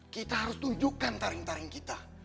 kita harus tunjukkan taring taring kita